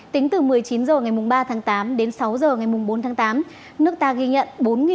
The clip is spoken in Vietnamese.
tính từ một mươi chín h ngày ba tháng tám đến sáu h ngày bốn tháng tám nước ta ghi nhận bốn hai trăm ba mươi